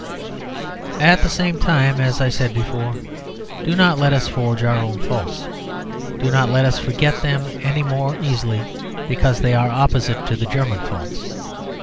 At the same time, as I said before, do not let us forged our own faults. Do not let us forget them any the more easily because they are the opposite to the German faults.